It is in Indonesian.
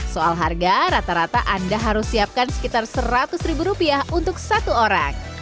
soal harga rata rata anda harus siapkan sekitar seratus ribu rupiah untuk satu orang